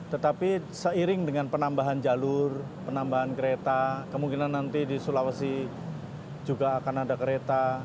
tetapi seiring dengan penambahan jalur penambahan kereta kemungkinan nanti di sulawesi juga akan ada kereta